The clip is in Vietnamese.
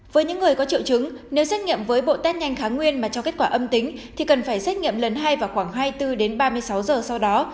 với những người có triệu chứng nếu xét nghiệm với bộ test nhanh kháng nguyên mà cho kết quả âm tính thì cần phải xét nghiệm lần hai vào khoảng hai mươi bốn đến ba mươi sáu giờ sau đó